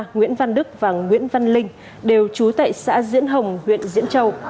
nguyễn văn đức và nguyễn văn linh đều trú tại xã diễn hồng huyện diễn châu